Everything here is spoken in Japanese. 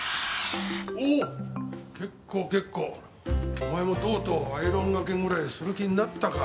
お前もとうとうアイロンがけぐらいする気になったか。